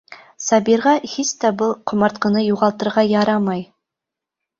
Сабирға һис тә был ҡомартҡыны юғалтырға ярамай!